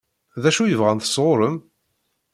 D acu i bɣan sɣur-m?